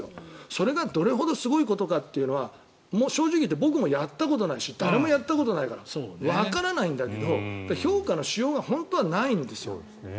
それがどれほどすごいことかというのは正直言って僕もやったことないし誰もやったことないから評価のしようがないわけですよ。